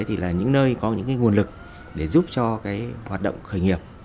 đó là những nơi có những nguồn lực để giúp cho hoạt động khởi nghiệp